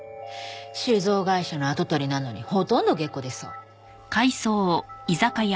酒造会社の跡取りなのにほとんど下戸でさ。